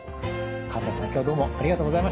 西さん今日はどうもありがとうございました。